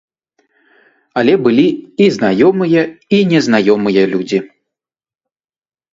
Але былі і знаёмыя, і незнаёмыя людзі.